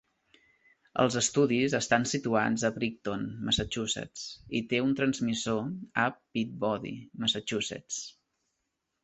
Els estudis estan situats a Brighton, Massachusetts, i té un transmissor a Peabody, Massachusetts.